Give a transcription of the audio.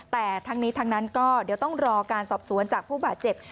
แต่ทั้งนี้ทั้งนั้นก็เดี๋ยวต้องรอการสอบสวนจากผู้บาดเจ็บ